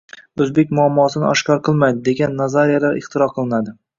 o‘zbek muammosini oshkor qilmaydi» degan «nazariya»lar ixtiro qilinadi